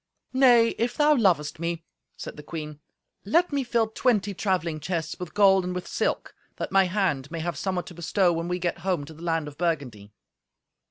"Nay, if thou lovest me," said the queen, "let me fill twenty travelling chests with gold and with silk, that my hand may have somewhat to bestow when we get home to the land of Burgundy."